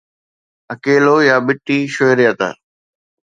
اڪيلو يا ٻٽي شهريت